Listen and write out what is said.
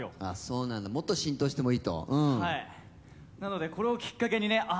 あそうなのもっと浸透してもいいとうんはいなのでこれをきっかけにね